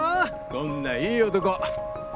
こんないい男。